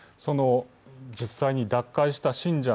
実際に奪回した信者２